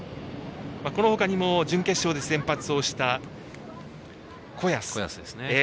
このほかにも準決勝で先発をした子安。